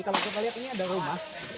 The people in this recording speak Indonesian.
kalau kita lihat ini ada rumah